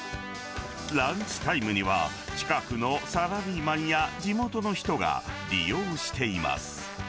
ランチタイムには、近くのサラリーマンや地元の人が利用しています。